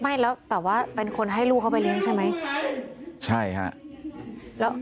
ไม่แล้วแต่ว่าเป็นคนให้ลูกเขาไปเลี้ยงใช่ไหมใช่ฮะแล้ว